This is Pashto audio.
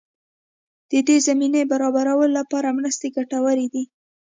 د دې زمینې برابرولو لپاره مرستې ګټورې دي.